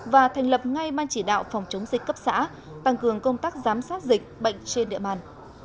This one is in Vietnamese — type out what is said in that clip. và thành lập ngay ban chỉ đạo phòng chống dịch cấp xã tăng cường công tác giám sát dịch bệnh trên địa bàn